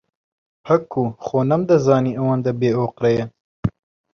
پەکوو، خۆ نەمدەزانی ئەوەندە بێئۆقرەیە.